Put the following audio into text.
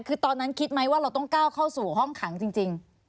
คือตอนนั้นคิดไหมว่าเราต้องก้าวเข้าสู่ห้องขังจริง